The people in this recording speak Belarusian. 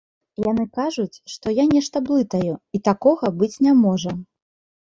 Яны кажуць, што я нешта блытаю і такога быць не можа.